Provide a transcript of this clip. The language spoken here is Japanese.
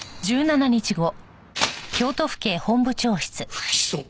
不起訴。